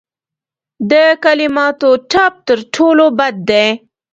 د کلماتو ټپ تر تورې بد دی.